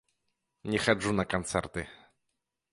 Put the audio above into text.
Не хаджу на канцэрты.